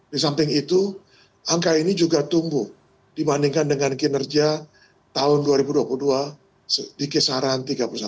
di samping itu angka ini juga tumbuh dibandingkan dengan kinerja tahun dua ribu dua puluh dua di kisaran tiga puluh satu